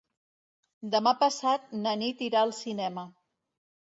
Demà passat na Nit irà al cinema.